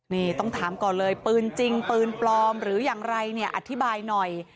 นี่ต้องถามก่อนเลยปืนจริงปืนปลอมหรืออย่างไรเนี่ยอธิบายหน่อย